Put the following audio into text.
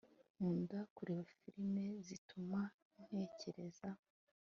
Nkunda kureba firime zituma ntekereza